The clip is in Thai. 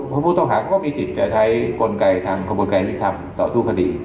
พระบุธค่าก็มีสิทธิ์ใช้กลไกทางกลบกลายที่ทำต่อสู้คดี